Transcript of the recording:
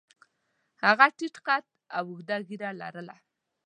هغه ټیټ قد او اوږده ږیره لرله.